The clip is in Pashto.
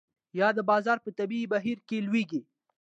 یا د بازار په طبیعي بهیر کې لویږي.